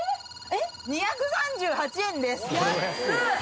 ２３８円です。